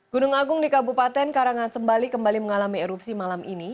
gunung agung di kabupaten karangasembali kembali mengalami erupsi malam ini